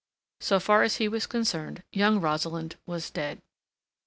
So far as he was concerned, young Rosalind was dead.